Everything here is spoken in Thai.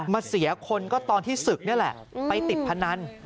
เสียคนก็ตอนที่ศึกนี่แหละไปติดพนัน